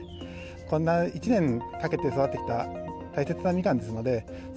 こんな１年かけて育ててきた大切なミカンですので。